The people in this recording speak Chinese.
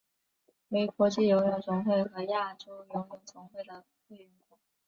为国际游泳总会和亚洲游泳总会的会员国。